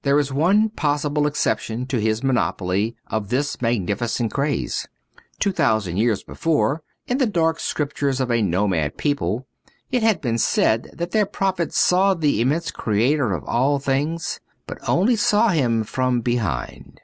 There is one possible excep tion to his monopoly of this magnificent craze. Two thousand years before, in the dark scriptures of a nomad people, it had been said that their prophet saw the immense Creator of all things, but only saw Him from behind.